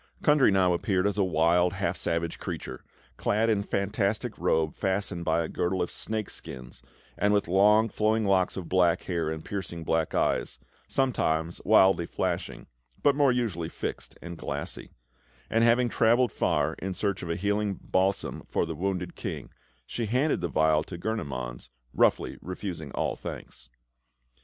Kundry now appeared as a wild, half savage creature, clad in a fantastic robe fastened by a girdle of snake skins, and with long flowing locks of black hair and piercing black eyes, sometimes wildly flashing but more usually fixed and glassy; and having travelled far in search of a healing balsam for the wounded King, she handed the vial to Gurnemanz, roughly refusing all thanks.